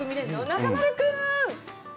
中丸君！